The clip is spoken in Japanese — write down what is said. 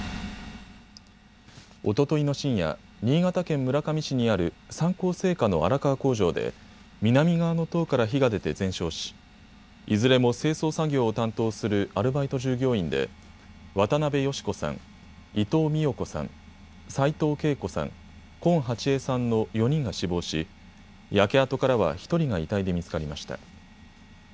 おとといの深夜、新潟県村上市にある三幸製菓の荒川工場で南側の棟から火が出て全焼しいずれも清掃作業を担当するアルバイト従業員で渡邊芳子さん、伊藤美代子さん、齋藤慶子さん、近ハチヱさんの４人が死亡し、焼け跡からは１人が遺体で見つかりました。